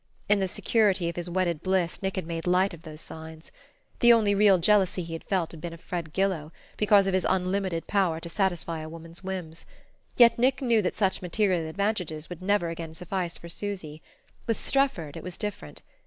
In the security of his wedded bliss Nick had made light of those signs. The only real jealousy he had felt had been of Fred Gillow, because of his unlimited power to satisfy a woman's whims. Yet Nick knew that such material advantages would never again suffice for Susy. With Strefford it was different.